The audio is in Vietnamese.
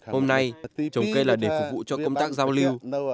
hôm nay trồng cây là để phục vụ cho công tác giao lưu